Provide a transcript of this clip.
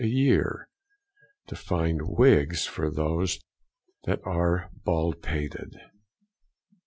a year to find wigs for those that are baldpated.